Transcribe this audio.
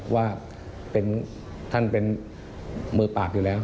ว่าท่านเป็นมือปากอยู่แล้ว